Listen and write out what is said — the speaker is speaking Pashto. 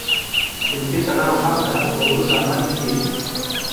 صنفي تړاو هم د حذفولو لامل کیږي.